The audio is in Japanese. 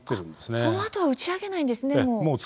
そのあとは打ち上げないんですね、もう。